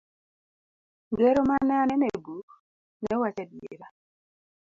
Ngero mane aneno e buk ne wacho adiera.